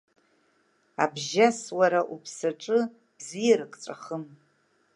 Абжьас уара уԥсаҿы бзиарак ҵәахым…